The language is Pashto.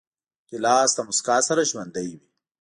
ګیلاس له موسکا سره ژوندی وي.